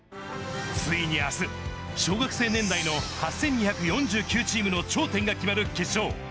ついにあす、小学生年代の８２４９チームの頂点が決まる決勝。